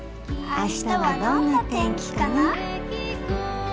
「明日はどんな天気かな」